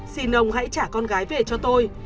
xin ông hãy trả con gái về cho tôi